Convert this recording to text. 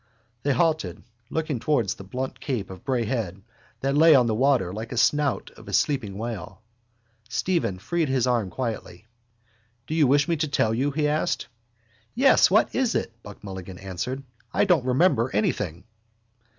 They halted, looking towards the blunt cape of Bray Head that lay on the water like the snout of a sleeping whale. Stephen freed his arm quietly. —Do you wish me to tell you? he asked. —Yes, what is it? Buck Mulligan answered. I don't remember anything.